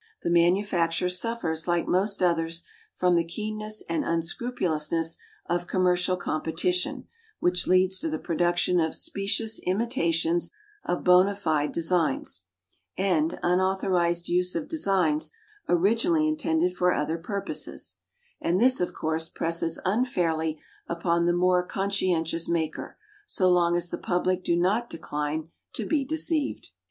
The manufacture suffers like most others from the keenness and unscrupulousness of commercial competition, which leads to the production of specious imitations of bonâ fide designs, and unauthorised use of designs originally intended for other purposes, and this of course presses unfairly upon the more conscientious maker, so long as the public do not decline to be deceived.